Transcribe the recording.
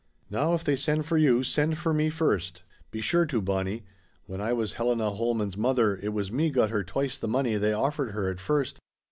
Now if they send for you, send for me first ! Be sure to, Bonnie. When I was Helena Holman's mother it was me got her twice the money they offered her at first.